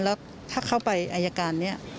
แล้วถ้าเข้าไปอายการนี้